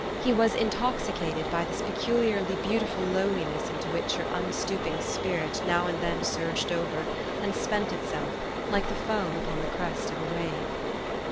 He was intoxicated by this peculiarly beautiful lowh'ness into which her unstooping spirit now and then surged over, and spent itself, like the foam upon the crest of a wave.